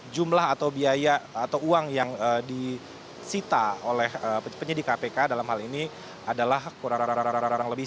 jumlah atau biaya atau uang yang disita oleh penyidik kpk dalam hal ini adalah kurang lebih